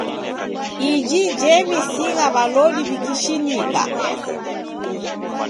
Iji jew'isigha w'alodi w'ikishinika.